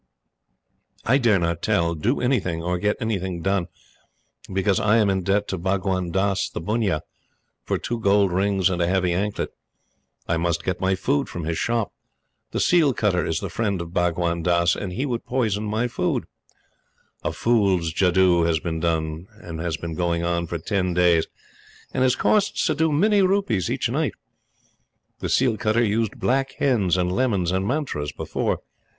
I dare not tell, do anything, or get anything done, because I am in debt to Bhagwan Dass the bunnia for two gold rings and a heavy anklet. I must get my food from his shop. The seal cutter is the friend of Bhagwan Dass, and he would poison my food. A fool's jadoo has been going on for ten days, and has cost Suddhoo many rupees each night. The seal cutter used black hens and lemons and mantras before.